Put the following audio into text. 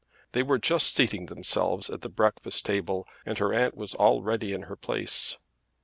They were just seating themselves at the breakfast table, and her aunt was already in her place.